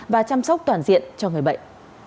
và chăm sóc toàn diện cho người bệnh